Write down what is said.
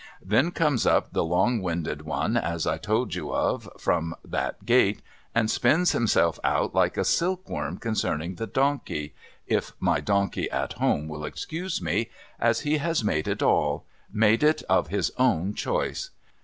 Then comes up the long winded one as I told you of, from that gate, and spins himself out like a silkworm concerning the Donkey (if my Donkey at home will excuse me) as has made it all — made it of his own choice